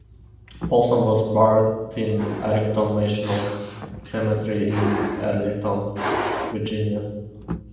Folsom was buried in Arlington National Cemetery in Arlington, Virginia.